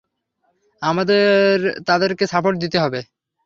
আমাদের তাদেরকে সাপোর্ট দিতে হবে।